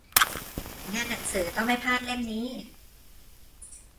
งานหนังสือ ต้องไม่พลาดเล่มนี้ !